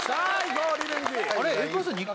こうリベンジあれ？